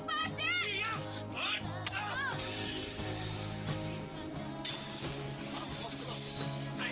moti pratanya kita bel bundle kaya gitu